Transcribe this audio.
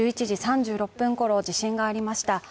１１時３６分頃地震がありました。